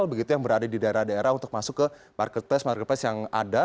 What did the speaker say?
begitu yang berada di daerah daerah untuk masuk ke marketplace marketplace yang ada